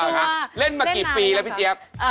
เล่นมากี่ปีแล้วพี่เจี๊ยบ